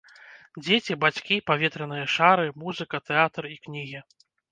Дзеці, бацькі, паветраныя шары, музыка, тэатр і кнігі.